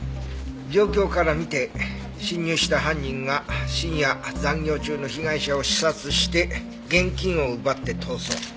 状況から見て侵入した犯人が深夜残業中の被害者を刺殺して現金を奪って逃走。